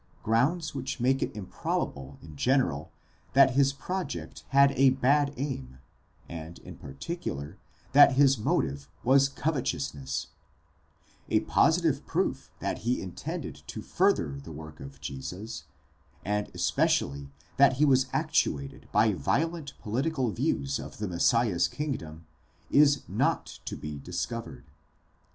grounds which make it improbable in general that his project had a bad aim, and in particular, that his motive was covetousness; a positive proof, that he intended to further the work of Jesus, and especially that he was actuated by violent political views of the Messiah's kingdom, is not to be discovered.